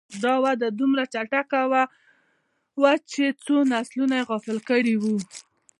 دا وده دومره چټکه وه چې څو نسلونه یې غافل کړي وو.